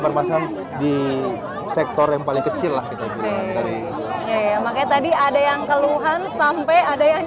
permasalahan di sektor yang paling kecil lah gitu dari makanya tadi ada yang keluhan sampai ada yang